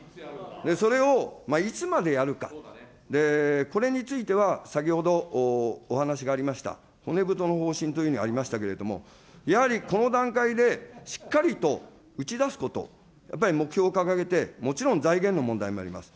それをいつまでやるか、これについては、先ほどお話がありました、骨太の方針とありましたけれども、やはりこの段階でしっかりと打ち出すこと、やっぱり目標を掲げて、もちろん財源の問題もあります。